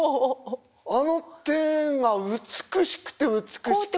あの手が美しくて美しくて。